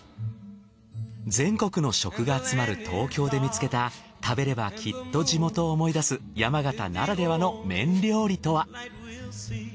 全国の食が集まる東京で見つけた食べればきっと地元を思い出す山形ならではの麺料理とは。